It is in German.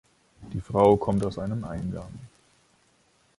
Die Frau kommt aus einem Eingang.